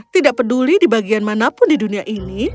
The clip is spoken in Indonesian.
tidak peduli di bagian manapun di dunia ini